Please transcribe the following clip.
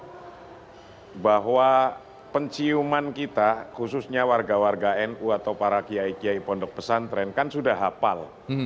nah bahwa penciuman kita khususnya warga warga nu atau para kiai kiai pondok pesantren kan sudah hafal